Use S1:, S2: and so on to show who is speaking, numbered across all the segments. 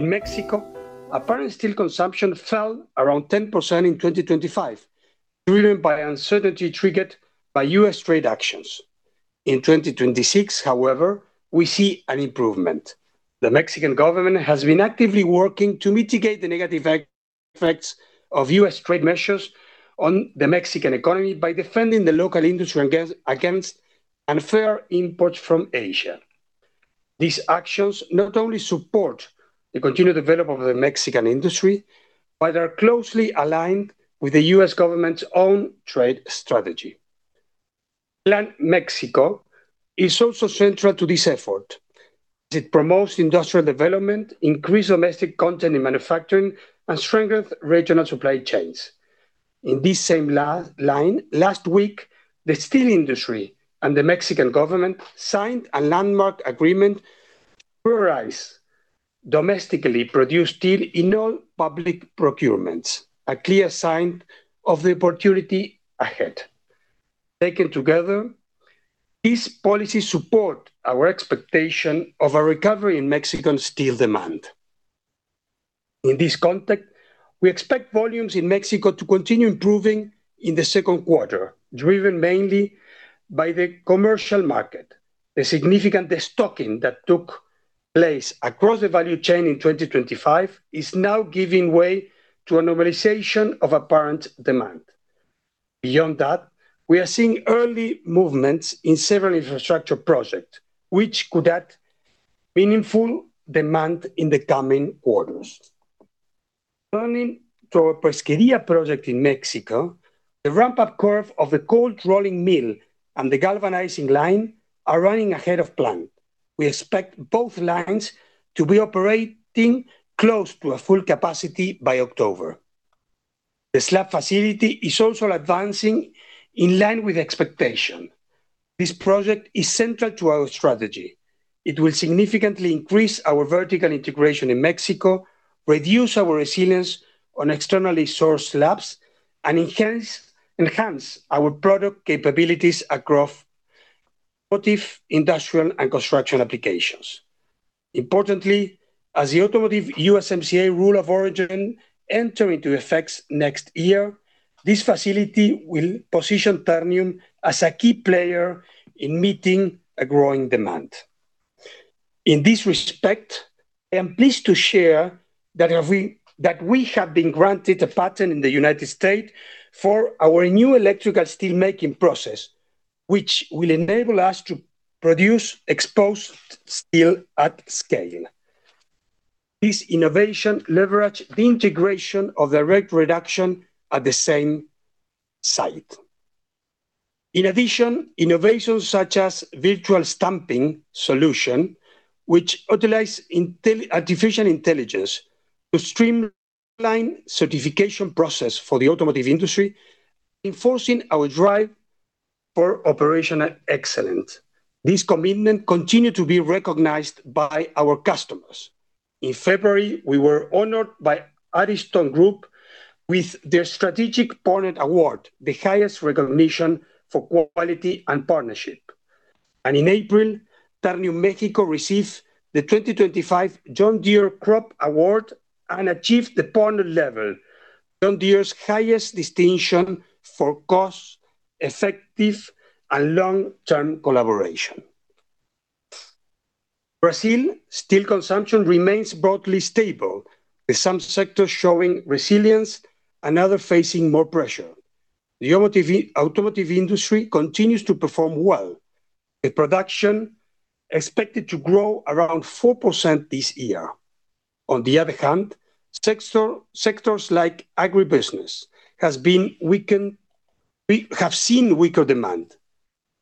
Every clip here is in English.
S1: In Mexico, apparent steel consumption fell around 10% in 2025, driven by uncertainty triggered by U.S. trade actions. In 2026, however, we see an improvement. The Mexican government has been actively working to mitigate the negative effects of U.S. trade measures on the Mexican economy by defending the local industry against unfair imports from Asia. These actions not only support the continued development of the Mexican industry, but are closely aligned with the U.S. government's own trade strategy. Plan Mexico is also central to this effort. It promotes industrial development, increased domestic content in manufacturing, and strengthens regional supply chains. In this same line, last week, the steel industry and the Mexican government signed a landmark agreement to prioritize domestically produced steel in all public procurements, a clear sign of the opportunity ahead. Taken together, these policies support our expectation of a recovery in Mexican steel demand. In this context, we expect volumes in Mexico to continue improving in the second quarter, driven mainly by the commercial market. The significant destocking that took place across the value chain in 2025 is now giving way to a normalization of apparent demand. Beyond that, we are seeing early movements in several infrastructure projects, which could add meaningful demand in the coming quarters. Turning to our Pesquería project in Mexico, the ramp-up curve of the cold rolling mill and the galvanizing line are running ahead of plan. We expect both lines to be operating close to a full capacity by October. The slab facility is also advancing in line with expectation. This project is central to our strategy. It will significantly increase our vertical integration in Mexico, reduce our reliance on externally sourced slabs, and enhance our product capabilities across automotive, industrial, and construction applications. Importantly, as the automotive USMCA rule of origin enter into effects next year, this facility will position Ternium as a key player in meeting a growing demand. In this respect, I am pleased to share that we have been granted a patent in the United States for our new electrical steelmaking process, which will enable us to produce exposed steel at scale. This innovation leverage the integration of direct reduction at the same site. In addition, innovations such as virtual stamping solution, which utilize artificial intelligence to streamline certification process for the automotive industry, reinforcing our drive for operational excellence. This commitment continue to be recognized by our customers. In February, we were honored by Ariston Group with their Strategic Partner Award, the highest recognition for quality and partnership. In April, Ternium México received the 2025 John Deere CROP Award and achieved the partner level, John Deere's highest distinction for cost-effective and long-term collaboration. Brazil steel consumption remains broadly stable, with some sectors showing resilience and other facing more pressure. The automotive industry continues to perform well, with production expected to grow around 4% this year. On the other hand, sectors like agribusiness have seen weaker demand.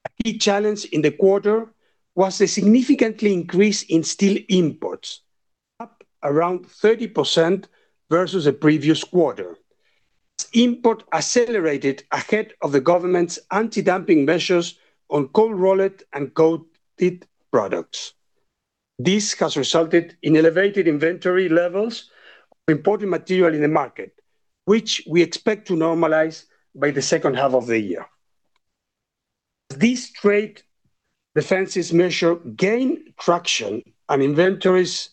S1: A key challenge in the quarter was a significantly increase in steel imports, up around 30% versus the previous quarter. Import accelerated ahead of the government's anti-dumping measures on cold rolled and coated products. This has resulted in elevated inventory levels of imported material in the market, which we expect to normalize by the second half of the year. As these trade defenses measure gain traction and inventories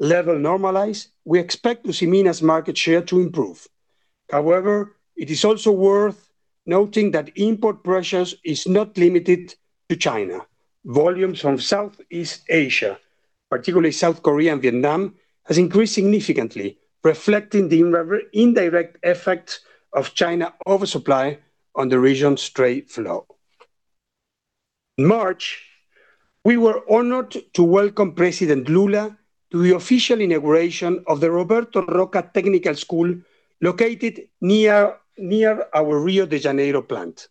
S1: level normalize, we expect to see Usiminas' market share to improve. However, it is also worth noting that import pressures is not limited to China. Volumes from Southeast Asia, particularly South Korea and Vietnam, has increased significantly, reflecting the indirect effect of China oversupply on the region's trade flow. In March, we were honored to welcome President Lula to the official inauguration of the Roberto Rocca Technical School located near our Rio de Janeiro plant.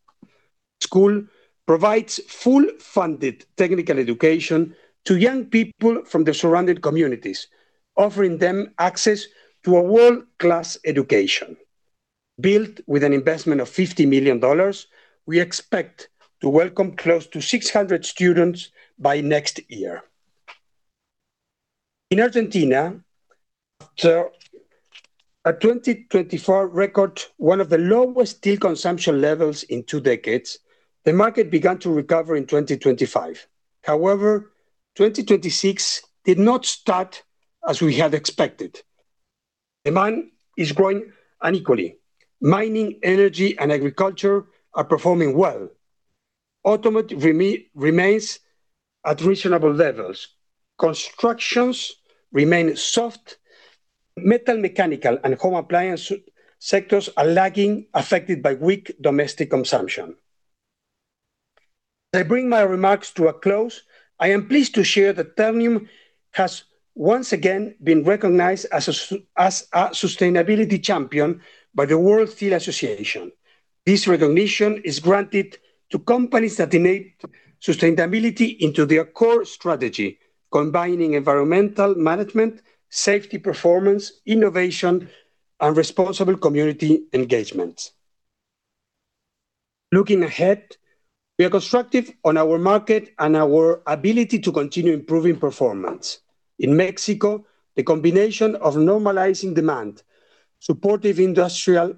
S1: School provides full funded technical education to young people from the surrounding communities, offering them access to a world-class education. Built with an investment of $50 million, we expect to welcome close to 600 students by next year. In Argentina, at 2024 record one of the lowest steel consumption levels in two decades, the market began to recover in 2025. However, 2026 did not start as we had expected. Demand is growing unequally. Mining, energy, and agriculture are performing well. Automotive remains at reasonable levels. Constructions remain soft. Metal mechanical and home appliance sectors are lagging, affected by weak domestic consumption. As I bring my remarks to a close, I am pleased to share that Ternium has once again been recognized as a sustainability champion by the World Steel Association. This recognition is granted to companies that integrate sustainability into their core strategy, combining environmental management, safety performance, innovation, and responsible community engagement. Looking ahead, we are constructive on our market and our ability to continue improving performance. In Mexico, the combination of normalizing demand, supportive industrial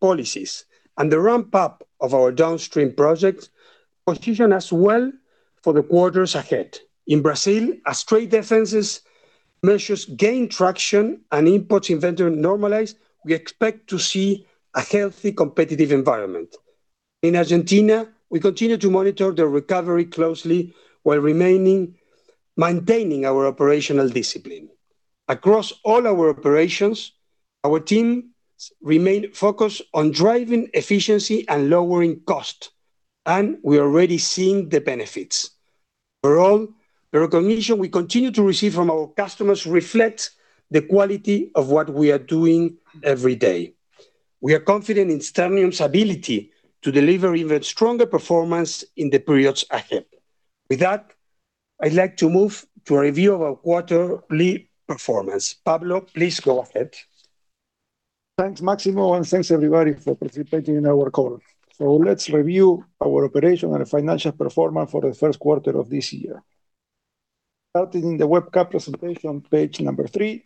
S1: policies, and the ramp-up of our downstream projects position us well for the quarters ahead. In Brazil, as trade defenses measures gain traction and imports inventory normalize, we expect to see a healthy competitive environment. In Argentina, we continue to monitor the recovery closely while maintaining our operational discipline. Across all our operations, our teams remain focused on driving efficiency and lowering cost, and we're already seeing the benefits. Overall, the recognition we continue to receive from our customers reflects the quality of what we are doing every day. We are confident in Ternium's ability to deliver even stronger performance in the periods ahead. With that, I'd like to move to a review of our quarterly performance. Pablo, please go ahead.
S2: Thanks, Máximo, and thanks everybody for participating in our call. Let's review our operation and financial performance for the first quarter of this year. Starting the webcast presentation on page three,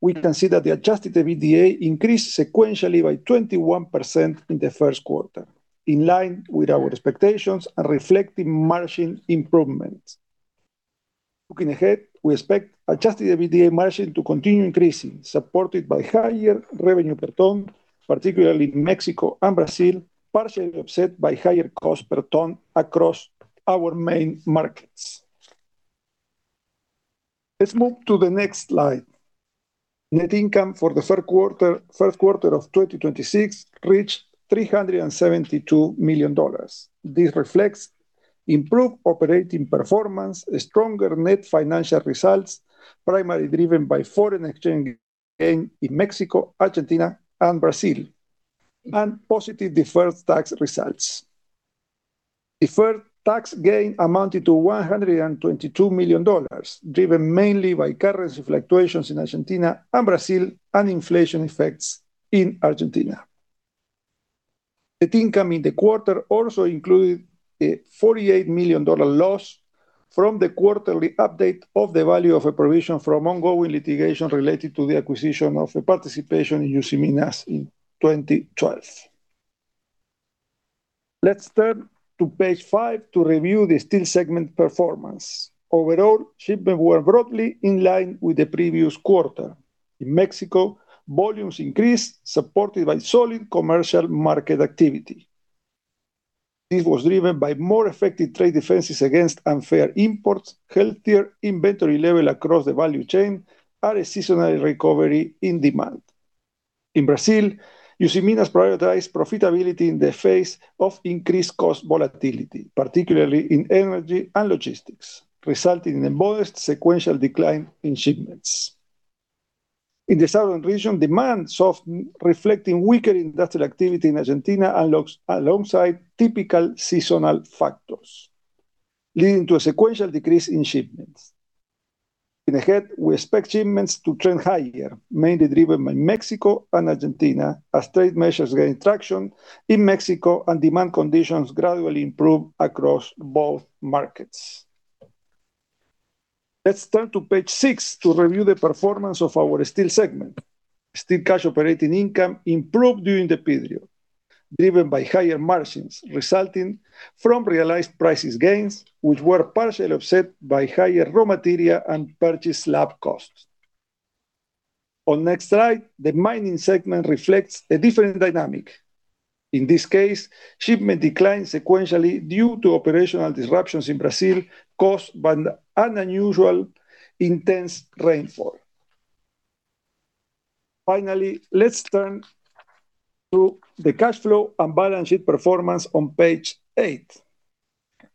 S2: we can see that the adjusted EBITDA increased sequentially by 21% in the first quarter, in line with our expectations and reflecting margin improvements. Looking ahead, we expect adjusted EBITDA margin to continue increasing, supported by higher revenue per ton, particularly in Mexico and Brazil, partially offset by higher cost per ton across our main markets. Let's move to the next slide. Net income for the first quarter of 2026 reached $372 million. This reflects improved operating performance, stronger net financial results, primarily driven by foreign exchange gain in Mexico, Argentina, and Brazil, and positive deferred tax results. Deferred tax gain amounted to $122 million, driven mainly by currency fluctuations in Argentina and Brazil and inflation effects in Argentina. Net income in the quarter also included a $48 million loss from the quarterly update of the value of a provision from ongoing litigation related to the acquisition of a participation in Usiminas in 2012. Let's turn to page five to review the steel segment performance. Shipments were broadly in line with the previous quarter. In Mexico, volumes increased, supported by solid commercial market activity. This was driven by more effective trade defenses against unfair imports, healthier inventory level across the value chain, and a seasonal recovery in demand. In Brazil, Usiminas prioritized profitability in the face of increased cost volatility, particularly in energy and logistics, resulting in a modest sequential decline in shipments. In the southern region, demand softened, reflecting weaker industrial activity in Argentina alongside typical seasonal factors, leading to a sequential decrease in shipments. Ahead, we expect shipments to trend higher, mainly driven by Mexico and Argentina, as trade measures gain traction in Mexico and demand conditions gradually improve across both markets. Let's turn to page six to review the performance of our steel segment. Steel cash operating income improved during the period, driven by higher margins resulting from realized prices gains, which were partially offset by higher raw material and purchased slab costs. On next slide, the mining segment reflects a different dynamic. In this case, shipment declined sequentially due to operational disruptions in Brazil caused by the unusual intense rainfall. Finally, let's turn to the cash flow and balance sheet performance on page eight.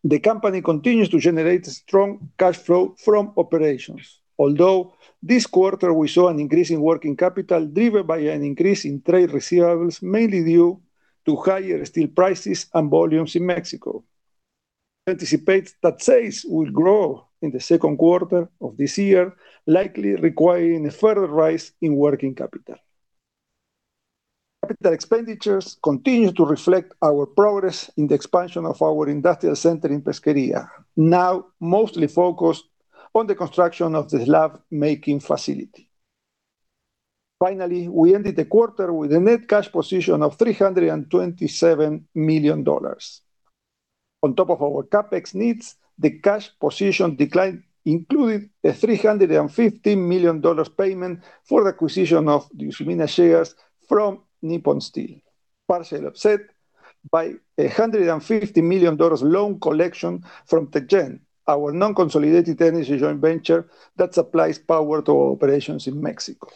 S2: The company continues to generate strong cash flow from operations. Although this quarter we saw an increase in working capital driven by an increase in trade receivables, mainly due to higher steel prices and volumes in Mexico. We anticipate that sales will grow in the second quarter of this year, likely requiring a further rise in working capital. Capital expenditures continue to reflect our progress in the expansion of our industrial center in Pesquería, now mostly focused on the construction of the slab making facility. We ended the quarter with a net cash position of $327 million. On top of our CapEx needs, the cash position decline included a $350 million payment for the acquisition of the Usiminas shares from Nippon Steel. Partial offset by a $150 million loan collection from TechGen, our non-consolidated energy joint venture that supplies power to our operations in Mexico.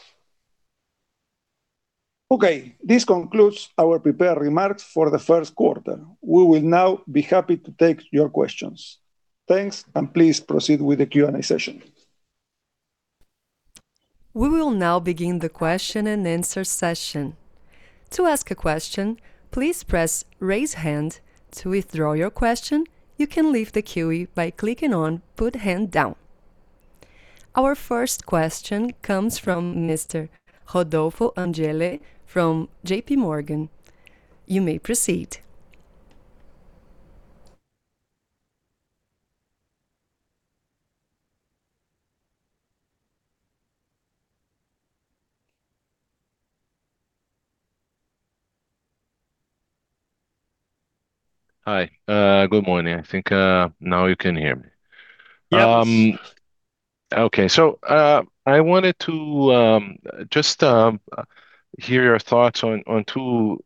S2: This concludes our prepared remarks for the first quarter. We will now be happy to take your questions. Please proceed with the Q&A session.
S3: We will now begin the question and answer session. To ask a question, please press raise hand. To withdraw your question, you can leave the queue by clicking on put hand down. Our first question comes from Mr. Rodolfo Angele from JPMorgan. You may proceed.
S4: Hi. Good morning. I think, now you can hear me.
S1: Yes.
S4: Okay. I wanted to just hear your thoughts on two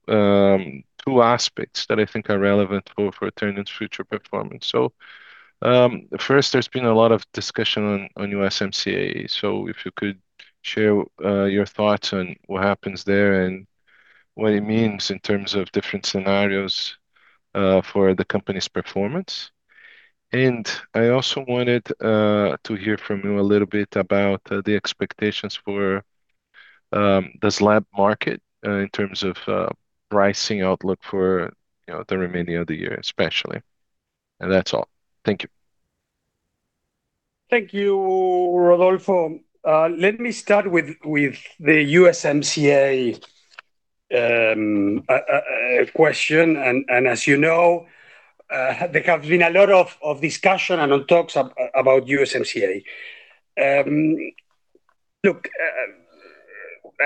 S4: aspects that I think are relevant for ArcelorMittal's future performance. First, there's been a lot of discussion on USMCA. If you could share your thoughts on what happens there and what it means in terms of different scenarios for the company's performance. I also wanted to hear from you a little bit about the expectations for the slab market in terms of pricing outlook for, you know, the remaining of the year, especially. That's all. Thank you.
S1: Thank you, Rodolfo. Let me start with the USMCA question. As you know, there have been a lot of discussion and on talks about USMCA.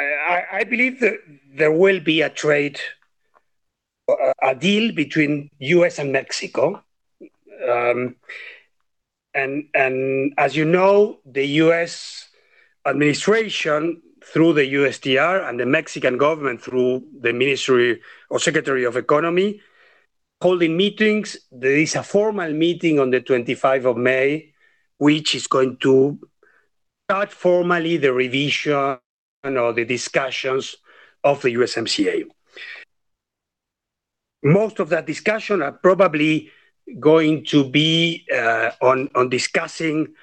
S1: I believe that there will be a trade deal between U.S. and Mexico. As you know, the U.S. administration, through the USTR and the Mexican government through the Secretariat of Economy, holding meetings. There is a formal meeting on the 25 of May, which is going to start formally the revision or the discussions of the USMCA. Most of that discussion are probably going to be on discussing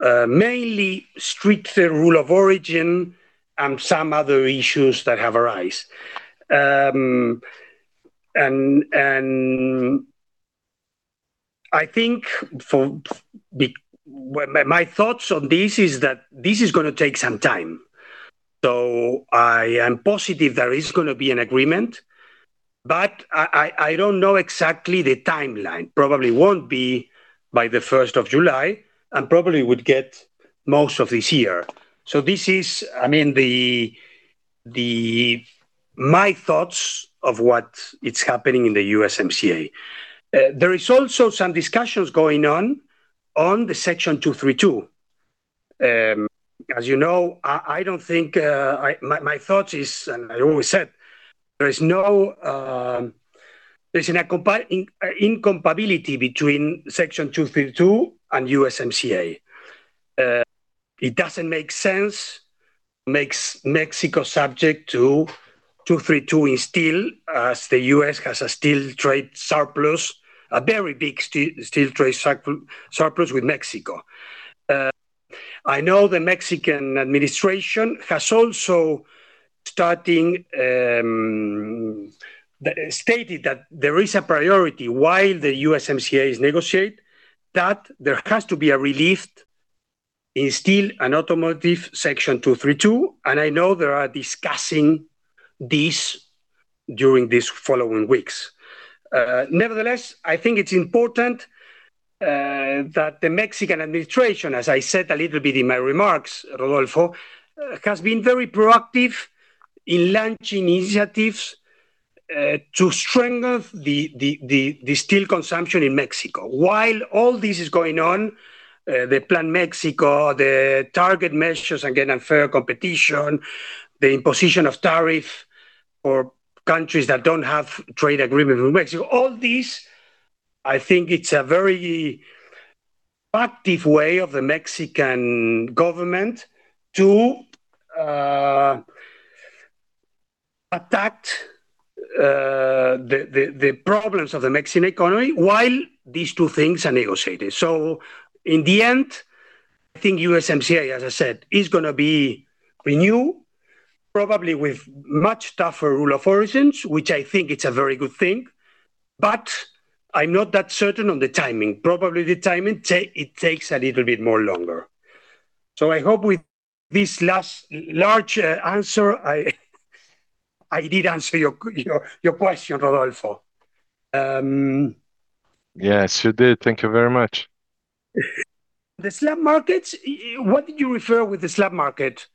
S1: mainly stricter rule of origin and some other issues that have arisen. I think my thoughts on this is that this is gonna take some time. I am positive there is going to be an agreement, but I don't know exactly the timeline. Probably won't be by the 1st of July, and probably would get most of this year. This is, I mean, my thoughts of what it's happening in the USMCA. There is also some discussions going on on the Section 232. As you know, I don't think, My thought is, and I always said, there is no incompatibility between Section 232 and USMCA. It doesn't make sense, makes Mexico subject to 232 in steel, as the U.S. has a steel trade surplus, a very big steel trade surplus with Mexico. I know the Mexican administration has also starting stated that there is a priority while the USMCA is negotiate, that there has to be a relief in steel and automotive Section 232. I know they are discussing this during these following weeks. Nevertheless, I think it's important that the Mexican administration, as I said a little bit in my remarks, Rodolfo, has been very proactive in launching initiatives to strengthen the steel consumption in Mexico. While all this is going on, the Plan Mexico, the target measures against unfair competition, the imposition of tariff for countries that don't have trade agreement with Mexico, all this, I think it's a very proactive way of the Mexican government to attack the problems of the Mexican economy while these two things are negotiated. In the end, I think USMCA, as I said, is gonna be renewed, probably with much tougher rule of origin, which I think it's a very good thing. I'm not that certain on the timing. Probably the timing it takes a little bit more longer. I hope with this last large answer, I did answer your question, Rodolfo.
S4: Yes, you did. Thank you very much.
S1: The slab markets, what do you refer with the slab market,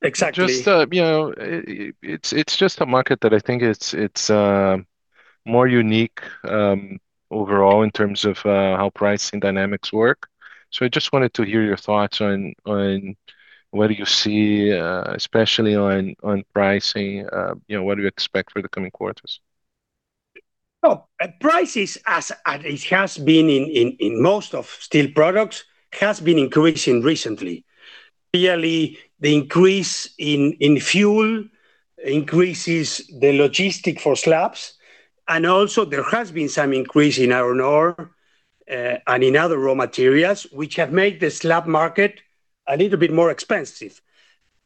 S1: exactly?
S4: Just, you know, it's just a market that I think it's more unique overall in terms of how pricing dynamics work. I just wanted to hear your thoughts on what you see, especially on pricing, you know, what do you expect for the coming quarters?
S1: Prices as it has been in most of steel products has been increasing recently. Clearly, the increase in fuel increases the logistic for slabs, and also there has been some increase in iron ore and in other raw materials, which have made the slab market a little bit more expensive.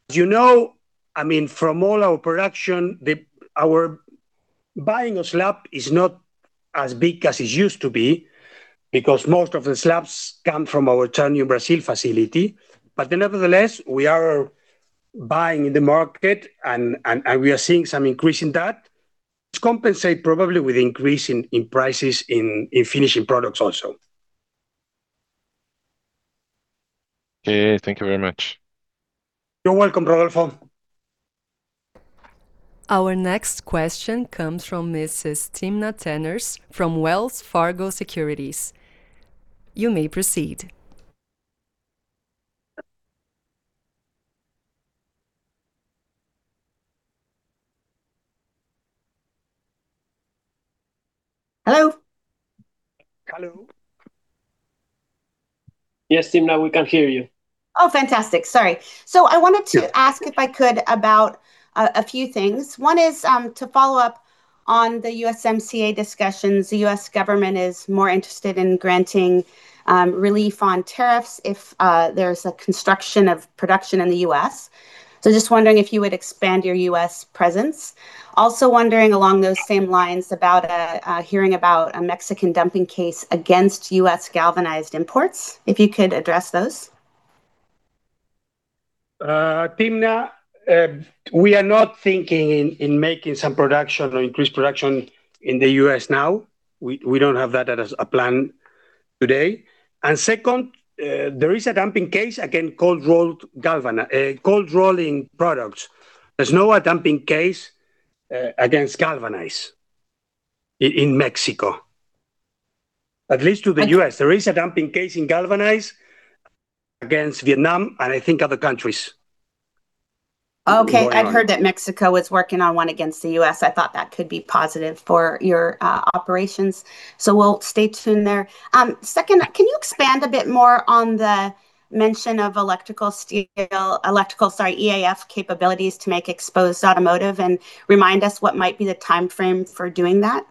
S1: Do you know I mean, from all our production, our buying of slab is not as big as it used to be because most of the slabs come from our Ternium Brazil facility. Nevertheless, we are buying in the market and we are seeing some increase in that. It's compensate probably with increase in prices in finishing products also.
S4: Okay. Thank you very much.
S1: You're welcome, Rodolfo.
S3: Our next question comes from Mrs. Timna Tanners from Wells Fargo Securities. You may proceed.
S5: Hello?
S1: Hello. Yes, Timna, we can hear you.
S5: Oh, fantastic. Sorry.
S1: Yeah
S5: ask if I could about a few things. One is to follow up on the USMCA discussions. The U.S. government is more interested in granting relief on tariffs if there's a construction of production in the U.S. Just wondering if you would expand your U.S. presence. Also wondering along those same lines about a hearing about a Mexican dumping case against U.S. galvanized imports, if you could address those.
S1: Timna, we are not thinking in making some production or increased production in the U.S. now. We don't have that as a plan today. Second, there is a dumping case against cold rolling products. There's no dumping case against galvanized in Mexico. At least to the U.S. There is a dumping case in galvanized against Vietnam and I think other countries going on.
S5: Okay. I've heard that Mexico was working on one against the U.S. I thought that could be positive for your operations. We'll stay tuned there. Second, can you expand a bit more on the mention of electrical steel, electrical sorry, EAF capabilities to make exposed automotive and remind us what might be the timeframe for doing that?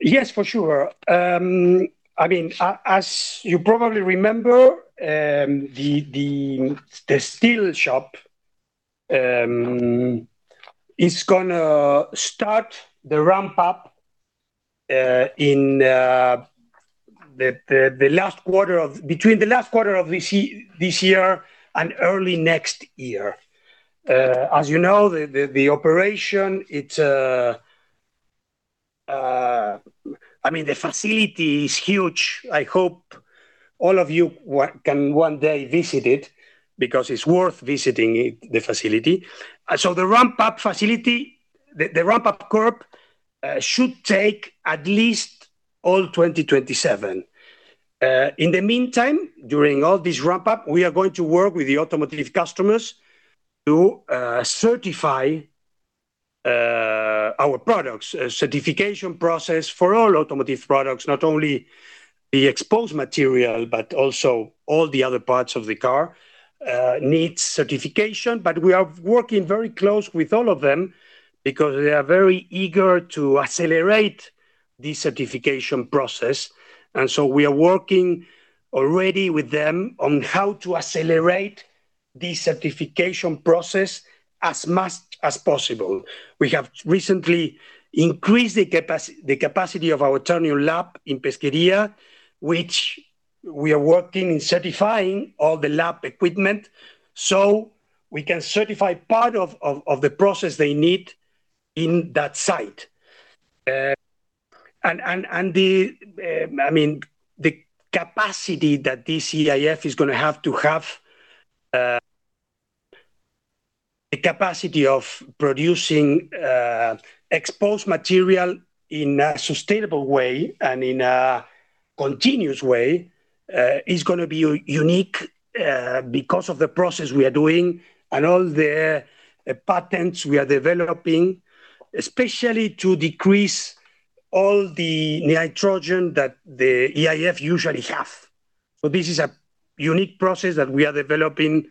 S1: Yes, for sure. I mean, as you probably remember, the steel shop is gonna start the ramp up in the last quarter of between the last quarter of this year and early next year. As you know, the operation, it's, I mean, the facility is huge. I hope all of you can one day visit it because it's worth visiting it, the facility. The ramp up facility, the ramp up curve should take at least all 2027. In the meantime, during all this ramp up, we are going to work with the automotive customers to certify our products. A certification process for all automotive products, not only the exposed material, but also all the other parts of the car needs certification. We are working very close with all of them because they are very eager to accelerate the certification process. We are working already with them on how to accelerate the certification process as much as possible. We have recently increased the capacity of our Ternium lab in Pesquería, which we are working in certifying all the lab equipment, so we can certify part of the process they need in that site. And, and the, I mean, the capacity that this EAF is gonna have to have the capacity of producing exposed material in a sustainable way and in a continuous way is gonna be unique because of the process we are doing and all the patents we are developing, especially to decrease all the nitrogen that the EAF usually have. This is a unique process that we are developing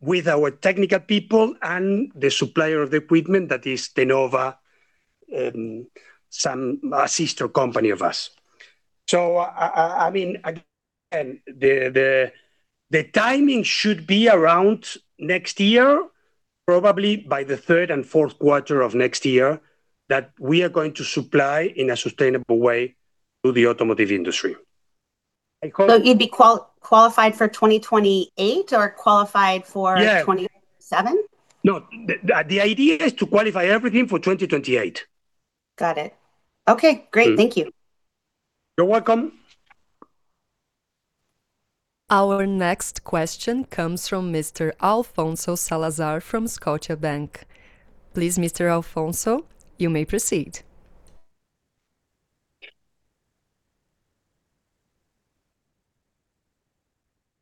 S1: with our technical people and the supplier of the equipment, that is Tenova, a sister company of us. I mean, again, the timing should be around next year. Probably by the third and fourth quarter of next year that we are going to supply in a sustainable way to the automotive industry.
S5: You'd be qualified for 2028 or qualified.
S1: Yeah
S5: 2027?
S1: No. The idea is to qualify everything for 2028.
S5: Got it. Okay. Great. Thank you.
S1: You're welcome.
S3: Our next question comes from Mr. Alfonso Salazar from Scotiabank. Please, Mr. Alfonso, you may proceed.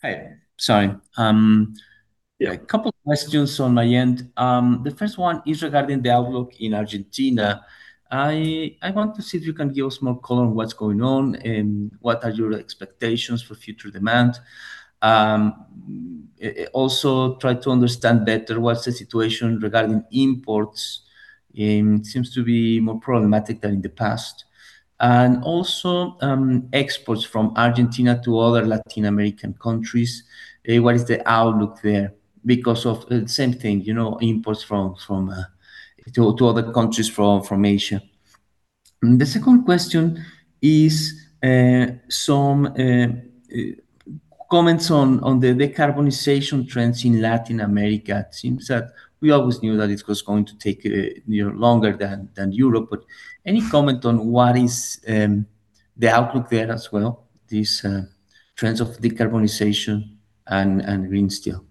S6: Hey. Sorry.
S1: Yeah
S6: A couple questions on my end. The first one is regarding the outlook in Argentina. I want to see if you can give us more color on what's going on and what are your expectations for future demand. Also try to understand better what's the situation regarding imports. It seems to be more problematic than in the past. Also, exports from Argentina to other Latin American countries. What is the outlook there? Because of same thing, you know, imports from to other countries from Asia. The second question is, some comments on the decarbonization trends in Latin America. It seems that we always knew that it was going to take, you know, longer than Europe, but any comment on what is the outlook there as well, these trends of decarbonization and green steel?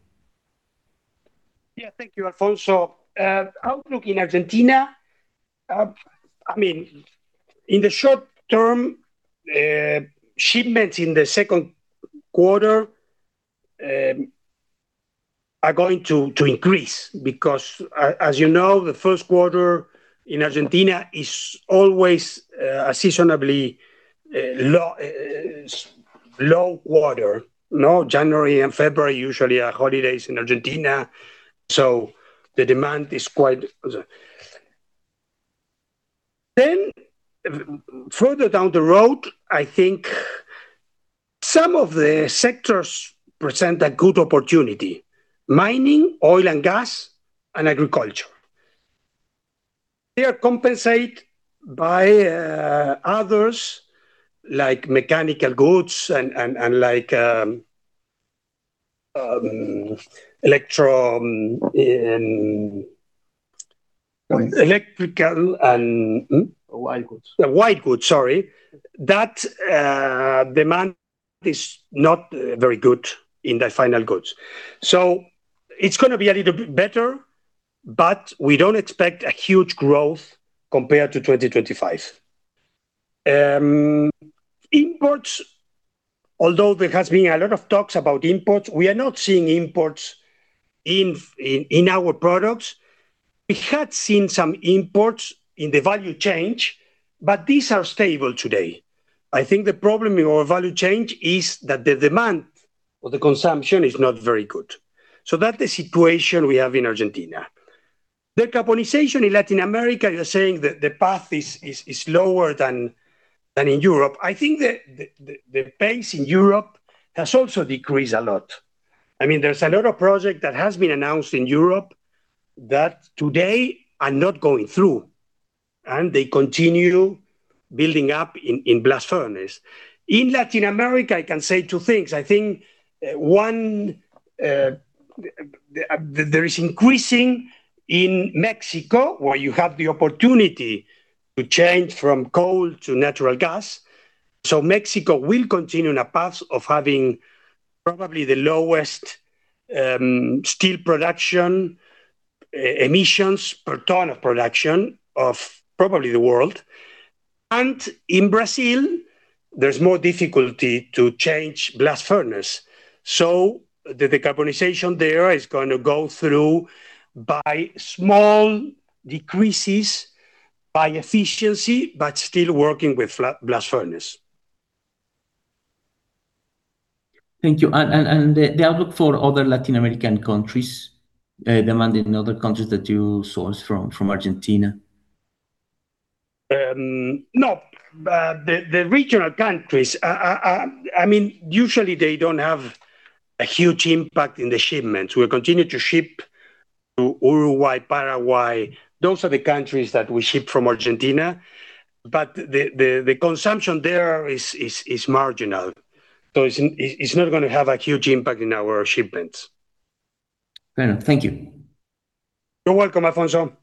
S1: Yeah. Thank you, Alfonso. Outlook in Argentina, I mean, in the short term, shipments in the second quarter are going to increase because as you know, the first quarter in Argentina is always a seasonably low, low quarter, no January and February usually are holidays in Argentina, the demand is quite Further down the road, I think some of the sectors present a good opportunity: mining, oil and gas, and agriculture. They are compensate by others like mechanical goods and like electro.
S7: White goods.
S1: electrical and.
S7: White goods.
S1: White goods, sorry. That demand is not very good in the final goods. It's gonna be a little bit better, but we don't expect a huge growth compared to 2025. Imports, although there has been a lot of talks about imports, we are not seeing imports in our products. We had seen some imports in the value chain, but these are stable today. I think the problem in our value chain is that the demand or the consumption is not very good. That the situation we have in Argentina. Decarbonization in Latin America, you're saying the path is lower than in Europe. I think the pace in Europe has also decreased a lot. I mean, there's a lot of project that has been announced in Europe that today are not going through, and they continue building up in blast furnace. In Latin America, I can say two things. I think, one, there is increasing in Mexico, where you have the opportunity to change from coal to natural gas. Mexico will continue on a path of having probably the lowest steel production emissions per ton of production of probably the world. In Brazil, there's more difficulty to change blast furnace, so the decarbonization there is going to go through by small decreases by efficiency, but still working with blast furnace.
S6: Thank you. The outlook for other Latin American countries, demand in other countries that you source from Argentina?
S1: No. The regional countries, I mean, usually they don't have a huge impact in the shipments. We'll continue to ship to Uruguay, Paraguay. Those are the countries that we ship from Argentina, but the consumption there is marginal. It's not gonna have a huge impact in our shipments.
S6: Fair enough. Thank you.
S1: You're welcome, Alfonso.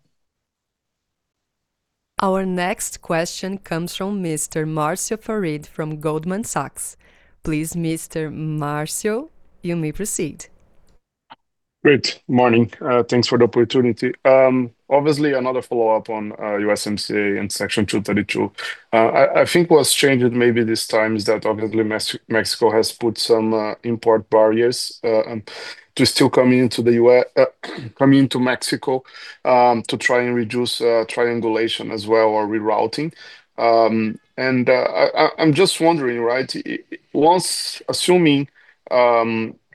S3: Our next question comes from Mr. Marcio Farid from Goldman Sachs. Please, Mr. Marcio, you may proceed.
S8: Great. Morning. Thanks for the opportunity. Obviously another follow-up on USMCA and Section 232. I think what's changed maybe this time is that obviously Mexico has put some import barriers to steel coming into the U.S., coming into Mexico, to try and reduce triangulation as well or rerouting. I'm just wondering, right? Once assuming,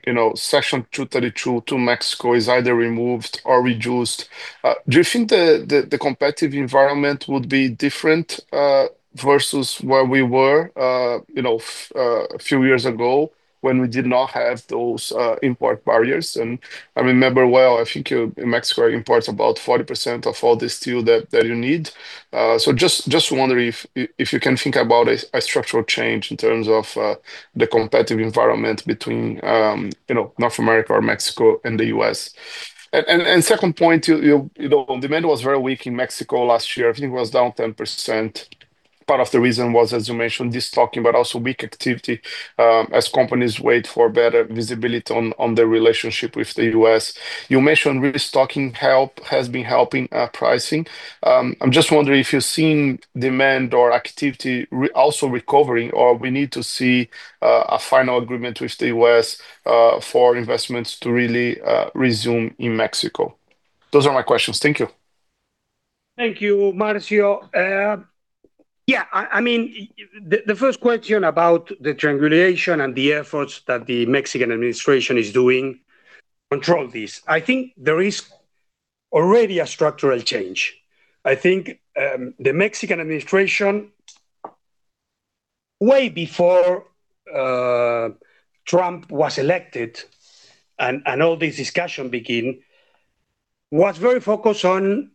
S8: you know, Section 232 to Mexico is either removed or reduced, do you think the competitive environment would be different versus where we were, you know, a few years ago when we did not have those import barriers? I remember well, I think Mexico imports about 40% of all the steel that you need. Just wondering if you can think about a structural change in terms of the competitive environment between North America or Mexico and the U.S. Second point, demand was very weak in Mexico last year. I think it was down 10%. Part of the reason was, as you mentioned, de-stocking, but also weak activity as companies wait for better visibility on their relationship with the U.S. You mentioned restocking has been helping pricing. I'm just wondering if you're seeing demand or activity also recovering, or we need to see a final agreement with the U.S. for investments to really resume in Mexico. Those are my questions. Thank you.
S1: Thank you, Marcio. I mean, the first question about the triangulation and the efforts that the Mexican administration is doing control this. I think there is already a structural change. I think, the Mexican administration, way before Trump was elected and all this discussion begin, was very focused on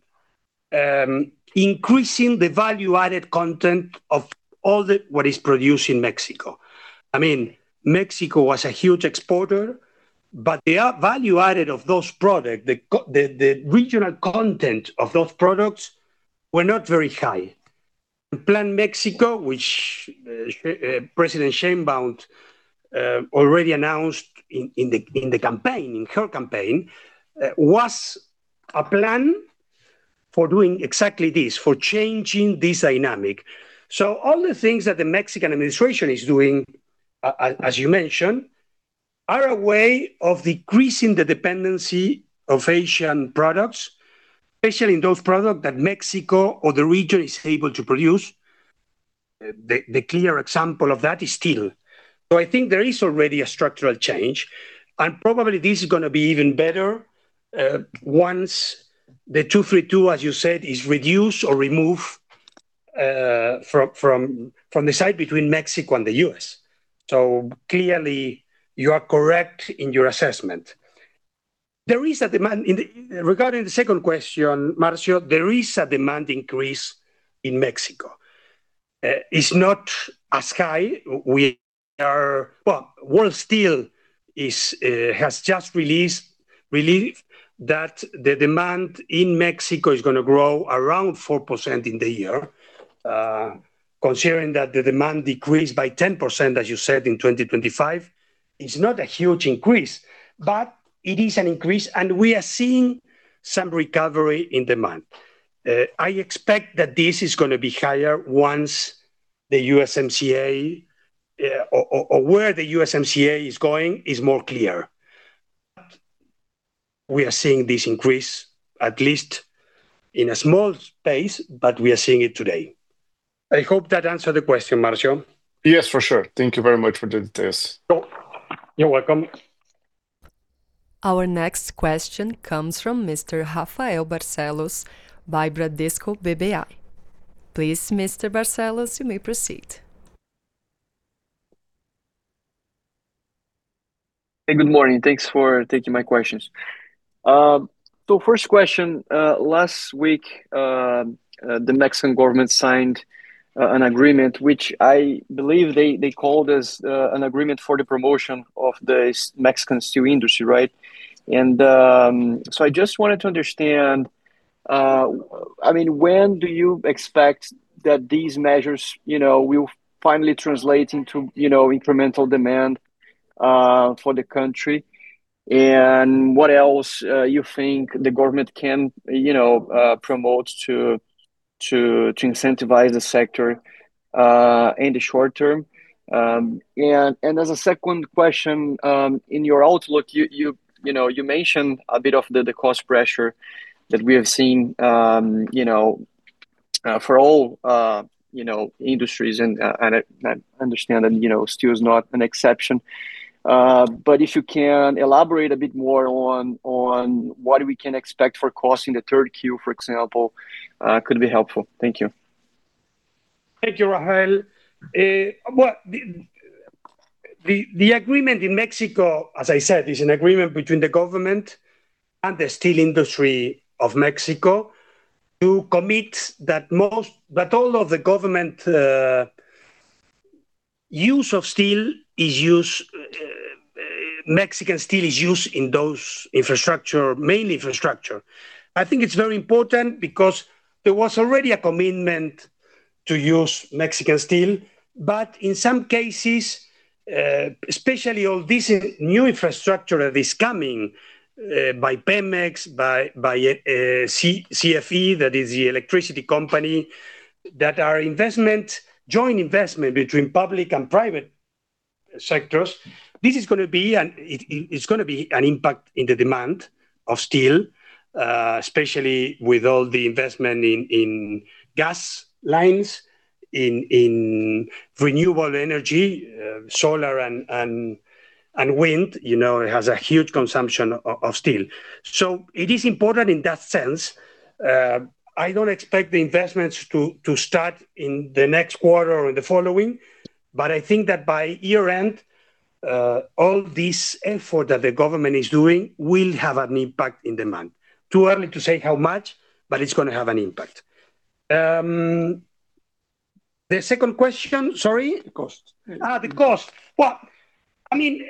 S1: increasing the value-added content of all what is produced in Mexico. I mean, Mexico was a huge exporter, but the value added of those product, the regional content of those products were not very high. Plan Mexico, which President Sheinbaum already announced in the campaign, in her campaign, was a plan for doing exactly this, for changing this dynamic. All the things that the Mexican administration is doing, as you mentioned, are a way of decreasing the dependency of Asian products, especially in those product that Mexico or the region is able to produce. The clear example of that is steel. I think there is already a structural change, and probably this is gonna be even better, once the 232, as you said, is reduced or removed, from the site between Mexico and the U.S. Clearly you are correct in your assessment. Regarding the second question, Marcio, there is a demand increase in Mexico. It's not as high. World Steel is has just released that the demand in Mexico is gonna grow around 4% in the year. Considering that the demand decreased by 10%, as you said, in 2025, it's not a huge increase, but it is an increase, and we are seeing some recovery in demand. I expect that this is gonna be higher once the USMCA, where the USMCA is going is more clear. We are seeing this increase, at least in a small space, but we are seeing it today. I hope that answered the question, Marcio.
S8: Yes, for sure. Thank you very much for the details.
S1: You're welcome.
S3: Our next question comes from Mr. Rafael Barcellos by Bradesco BBI. Please, Mr. Barcellos, you may proceed.
S9: Good morning. Thanks for taking my questions. First question, last week, the Mexican government signed an agreement, which I believe they called as an agreement for the promotion of the Mexican steel industry, right? I mean, when do you expect that these measures, you know, will finally translate into, you know, incremental demand for the country? What else you think the government can, you know, promote to incentivize the sector in the short term? As a second question, in your outlook, you know, you mentioned a bit of the cost pressure that we have seen, you know, for all industries, and I understand that, you know, steel is not an exception. If you can elaborate a bit more on what we can expect for cost in the third Q, for example, could be helpful. Thank you.
S1: Thank you, Rafael. Well, the agreement in Mexico, as I said, is an agreement between the government and the steel industry of Mexico to commit that all of the government use of steel is Mexican steel used in those main infrastructure. I think it's very important because there was already a commitment to use Mexican steel. In some cases, especially all this new infrastructure that is coming by Pemex, by CFE, that is the electricity company, that are joint investment between public and private sectors. This is gonna be an impact in the demand of steel, especially with all the investment in gas lines, in renewable energy, solar and wind. You know, it has a huge consumption of steel. It is important in that sense. I don't expect the investments to start in the next quarter or the following, but I think that by year-end, all this effort that the government is doing will have an impact in demand. Too early to say how much, but it's gonna have an impact. The second question Sorry?
S9: The cost.
S1: The cost. Well, I mean,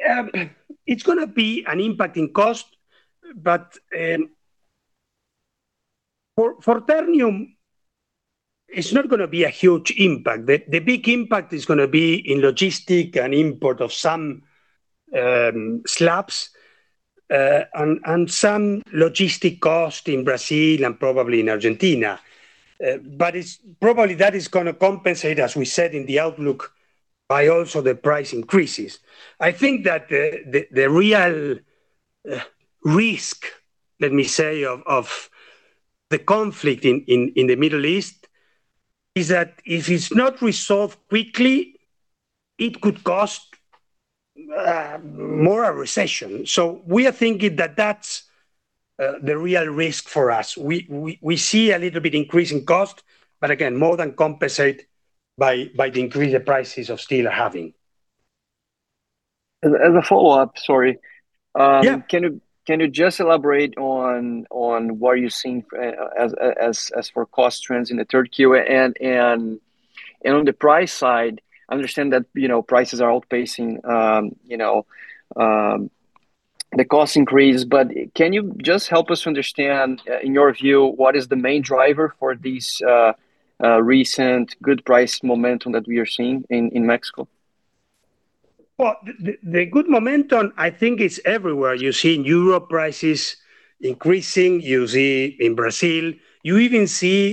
S1: it's gonna be an impact in cost, but for Ternium, it's not gonna be a huge impact. The big impact is gonna be in logistic and import of some slabs, and some logistic cost in Brazil and probably in Argentina. It's probably that is gonna compensate, as we said in the outlook, by also the price increases. I think that the real risk, let me say, of the conflict in the Middle East is that if it's not resolved quickly, it could cost more a recession. We are thinking that that's the real risk for us. We see a little bit increase in cost, but again, more than compensate by the increased prices of steel are having.
S9: As a follow-up, sorry.
S1: Yeah.
S9: Can you just elaborate on what you're seeing as for cost trends in the third Q? On the price side, I understand that, you know, prices are outpacing, you know, the cost increase. Can you just help us understand in your view, what is the main driver for this recent good price momentum that we are seeing in Mexico?
S1: Well, the good momentum I think is everywhere. You see in Europe prices increasing. You see in Brazil. You even see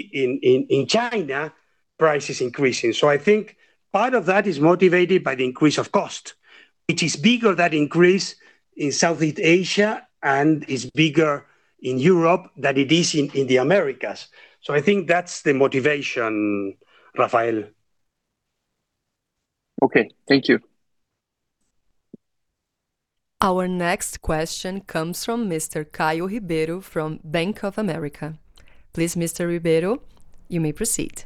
S1: in China prices increasing. I think part of that is motivated by the increase of cost. It is bigger that increase in Southeast Asia and is bigger in Europe than it is in the Americas. I think that's the motivation, Rafael.
S9: Okay. Thank you.
S3: Our next question comes from Mr. Caio Ribeiro from Bank of America. Please, Mr. Ribeiro, you may proceed.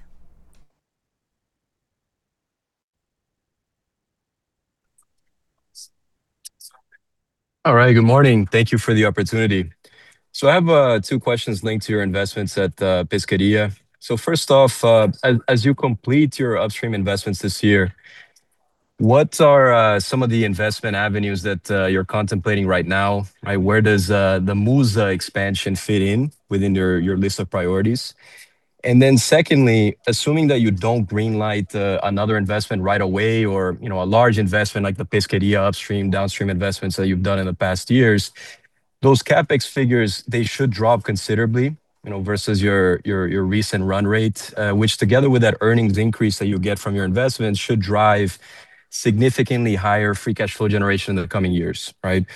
S10: All right. Good morning. Thank you for the opportunity. I have two questions linked to your investments at Pesquería. First off, as you complete your upstream investments this year, what are some of the investment avenues that you're contemplating right now, right? Where does the MUSA expansion fit in within your list of priorities? Secondly, assuming that you don't green light another investment right away or, you know, a large investment like the Pesquería upstream, downstream investments that you've done in the past years, those CapEx figures, they should drop considerably, you know, versus your recent run rate. Which together with that earnings increase that you'll get from your investments should drive significantly higher free cash flow generation in the coming years, right?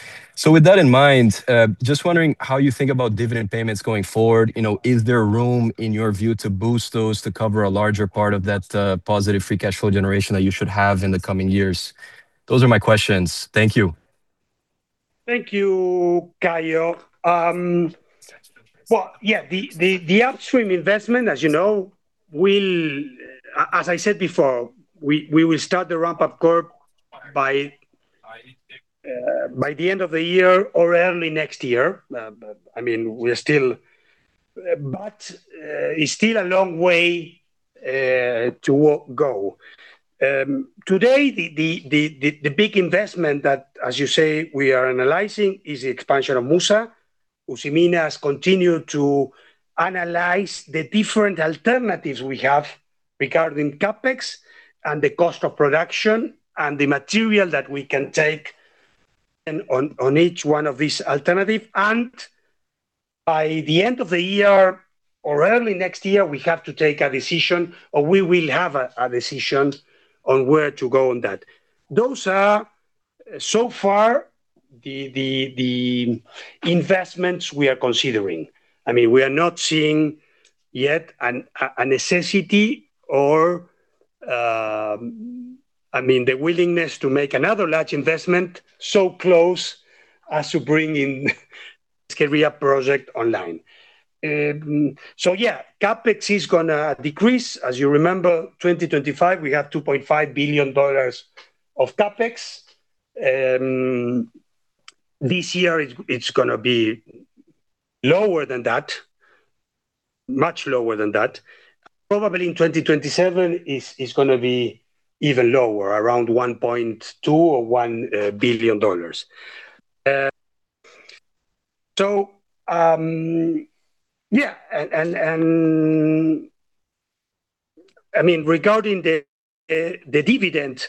S10: With that in mind, just wondering how you think about dividend payments going forward. You know, is there room in your view to boost those to cover a larger part of that positive free cash flow generation that you should have in the coming years? Those are my questions. Thank you.
S1: Thank you, Caio. Well, yeah, the upstream investment, as you know, will, as I said before, we will start the ramp up curve by the end of the year or early next year. I mean, we're still, but it's still a long way to go. Today, the big investment that, as you say, we are analyzing is the expansion of Musa. Usiminas continue to analyze the different alternatives we have regarding CapEx and the cost of production and the material that we can take and on each one of these alternative. By the end of the year or early next year, we have to take a decision, or we will have a decision on where to go on that. Those are, so far, the investments we are considering. I mean, we are not seeing yet a necessity or, I mean, the willingness to make another large investment so close as to bring in Pesquería project online. Yeah, CapEx is gonna decrease. As you remember, 2025, we have $2.5 billion of CapEx. This year it's gonna be lower than that, much lower than that. Probably in 2027 is gonna be even lower, around $1.2 billion or $1 billion. Yeah. I mean, regarding the dividend,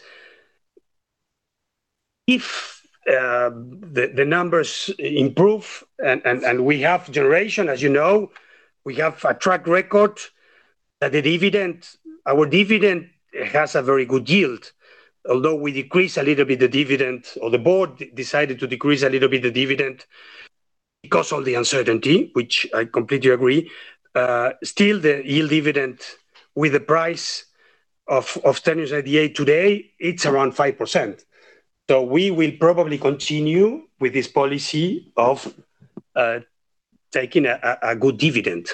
S1: if the numbers improve and we have generation. As you know, we have a track record that Our dividend has a very good yield. Although we decrease a little bit the dividend, or the board decided to decrease a little bit the dividend because of the uncertainty, which I completely agree. Still the yield dividend with the price of Ternium ADR today, it's around 5%. We will probably continue with this policy of taking a good dividend.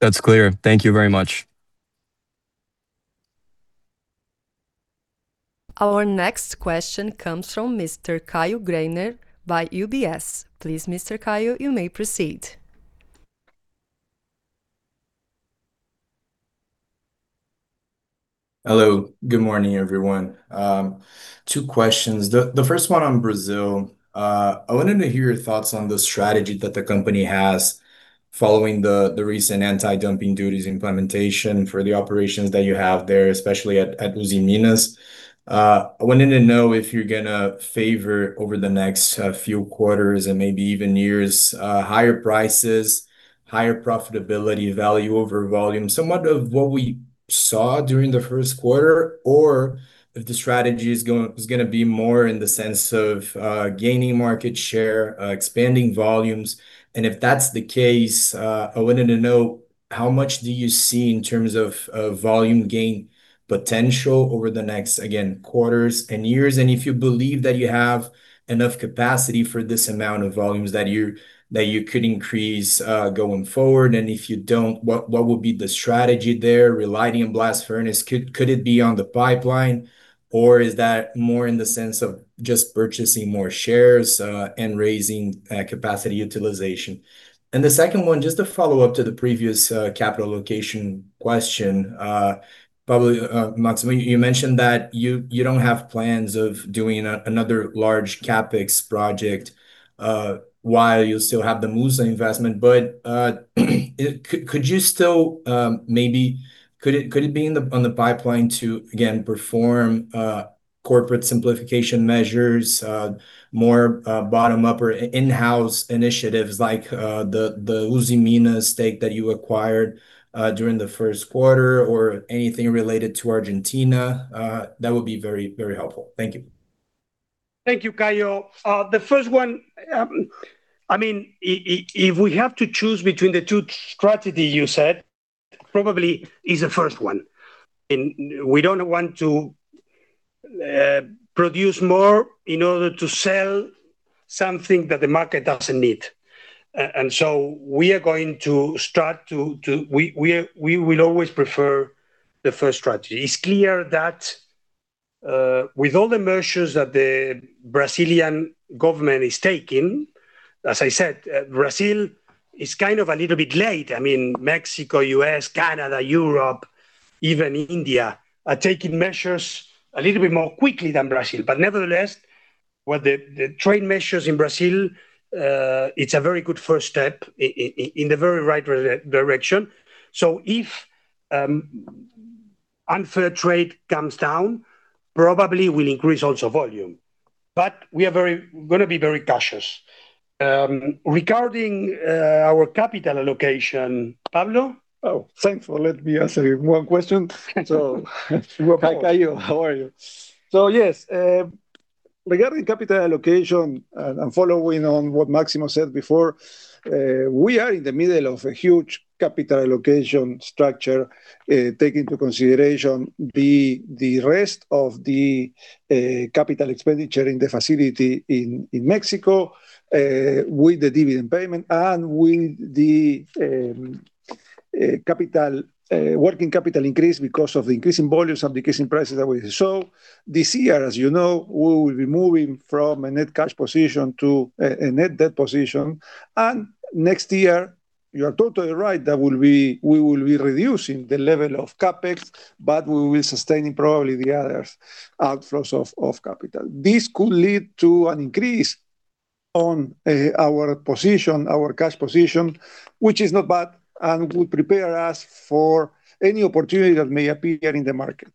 S10: That's clear. Thank you very much.
S3: Our next question comes from Mr. Caio Greiner by UBS. Please, Mr. Caio, you may proceed.
S11: Hello. Good morning, everyone. Two questions. The first one on Brazil. I wanted to hear your thoughts on the strategy that the company has following the recent anti-dumping duties implementation for the operations that you have there, especially at Usiminas. I wanted to know if you're gonna favor over the next few quarters and maybe even years, higher prices, higher profitability, value over volume, somewhat of what we saw during the first quarter, or if the strategy is going to be more in the sense of gaining market share, expanding volumes. If that's the case, I wanted to know, how much do you see in terms of volume gain potential over the next, again, quarters and years? If you believe that you have enough capacity for this amount of volumes that you could increase going forward. If you don't, what would be the strategy there? Relighting a blast furnace? Could it be on the pipeline or is that more in the sense of just purchasing more shares and raising capacity utilization? The second one, just a follow-up to the previous capital allocation question. Pablo, Máximo Vedoya, you mentioned that you don't have plans of doing another large CapEx project while you still have the Usiminas investment. Could you still maybe could it be in the on the pipeline to again perform corporate simplification measures, more bottom-up or in-house initiatives like the Usiminas stake that you acquired during the first quarter or anything related to Argentina? That would be very, very helpful. Thank you.
S1: Thank you, Caio. I mean, if we have to choose between the two strategy you said, probably is the first one, and we don't want to produce more in order to sell something that the market doesn't need. We will always prefer the first strategy. It's clear that, with all the measures that the Brazilian government is taking, as I said, Brazil is kind of a little bit late. I mean, Mexico, U.S., Canada, Europe, even India are taking measures a little bit more quickly than Brazil. Nevertheless, what the trade measures in Brazil, it's a very good first step in the very right direction. If unfair trade comes down, probably we'll increase also volume. we are very gonna be very cautious. regarding our capital allocation, Pablo?
S2: Oh, thanks for let me answer one question.
S1: Welcome
S2: Hi, Caio. How are you? Yes, regarding capital allocation, and following on what Máximo said before, we are in the middle of a huge capital allocation structure, take into consideration the rest of the capital expenditure in the facility in México, with the dividend payment and with the capital working capital increase because of the increasing volumes and the increasing prices that we saw. This year, as you know, we will be moving from a net cash position to a net debt position. Next year, you are totally right, we will be reducing the level of CapEx, we will sustaining probably the other outflows of capital. This could lead to an increase on our position, our cash position, which is not bad and would prepare us for any opportunity that may appear in the market.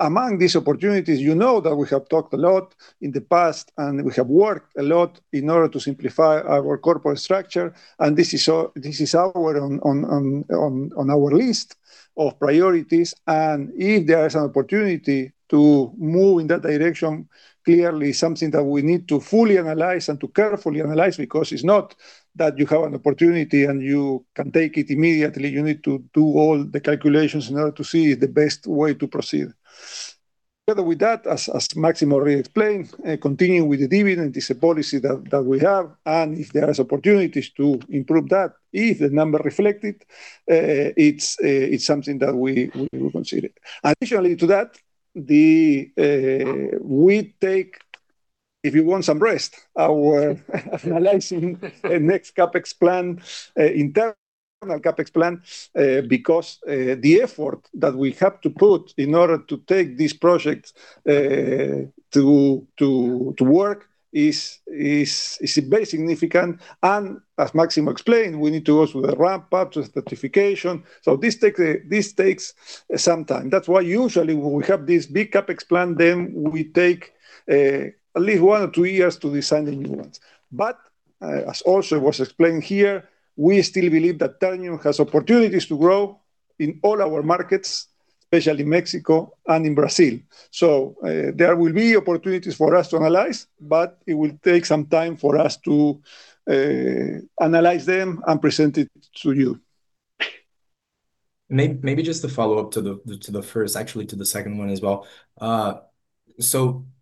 S2: Among these opportunities, you know that we have talked a lot in the past and we have worked a lot in order to simplify our corporate structure, this is our on our list of priorities. If there is an opportunity to move in that direction, clearly something that we need to fully analyze and to carefully analyze because it's not that you have an opportunity and you can take it immediately. You need to do all the calculations in order to see the best way to proceed. Together with that, as Máximo Vedoya already explained, continuing with the dividend is a policy that we have. If there is opportunities to improve that, if the number reflect it's something that we will consider. Additionally to that, we take, if you want some rest, analyzing the next CapEx plan, internal CapEx plan, because the effort that we have to put in order to take this project to work is very significant. As Máximo explained, we need to go through the ramp-up, through certification, so this takes some time. That's why usually when we have this big CapEx plan, we take at least one or two years to design the new ones. As also was explained here, we still believe that Ternium has opportunities to grow in all our markets, especially Mexico and in Brazil. There will be opportunities for us to analyze, but it will take some time for us to analyze them and present it to you.
S11: Maybe just to follow up to the first actually to the second one as well.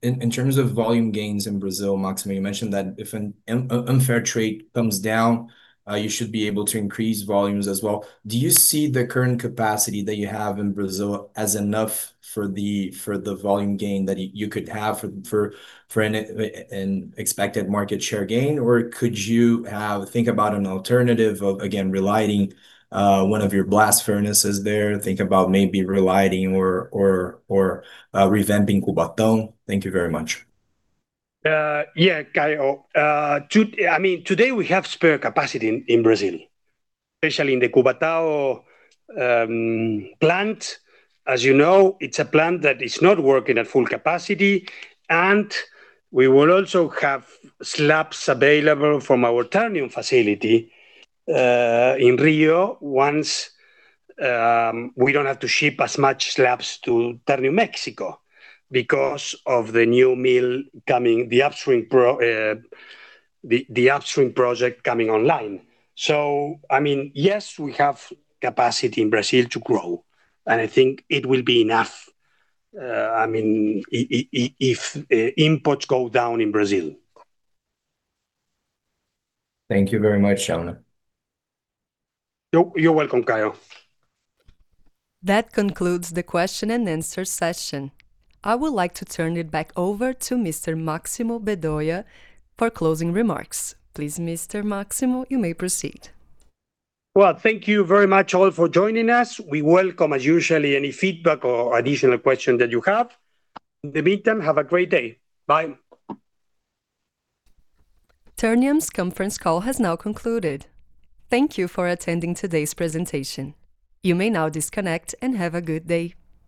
S11: In terms of volume gains in Brazil, Máximo, you mentioned that if an unfair trade comes down, you should be able to increase volumes as well. Do you see the current capacity that you have in Brazil as enough for the volume gain that you could have for an expected market share gain? Could you have think about an alternative of, again, relighting one of your blast furnaces there? Think about maybe relighting or revamping Cubatão. Thank you very much.
S1: Yeah, Caio. I mean, today we have spare capacity in Brazil, especially in the Cubatão plant. As you know, it's a plant that is not working at full capacity, and we will also have slabs available from our Ternium facility in Rio once we don't have to ship as much slabs to Ternium México because of the new mill coming, the upstream project coming online. I mean, yes, we have capacity in Brazil to grow, and I think it will be enough, I mean, if imports go down in Brazil.
S11: Thank you very much, gentlemen.
S1: You're welcome, Caio.
S3: That concludes the question and answer session. I would like to turn it back over to Mr. Máximo Vedoya for closing remarks. Please, Mr. Máximo Vedoya, you may proceed.
S1: Well, thank you very much all for joining us. We welcome, as usual, any feedback or additional question that you have. In the meantime, have a great day. Bye.
S3: Ternium's conference call has now concluded. Thank you for attending today's presentation. You may now disconnect and have a good day.